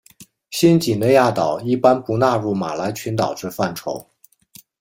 新几内亚岛一般不纳入马来群岛之范畴。